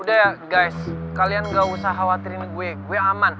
udah ya guys kalian gak usah khawatirin gue aman